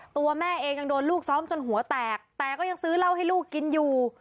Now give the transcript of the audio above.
ตัวแม่เองยังโดนลูกซ้อมจนหัวแตกแต่ก็ยังซื้อเหล้าให้ลูกกินอยู่